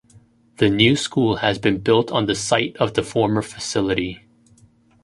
The new school has been built on the site of the former facility.